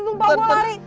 sumpah gua lari